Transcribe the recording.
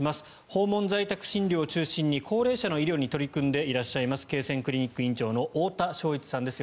訪問在宅診療を中心に高齢者の医療に取り組んでいらっしゃいます恵泉クリニック院長の太田祥一さんです。